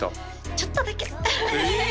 ちょっとだけえ！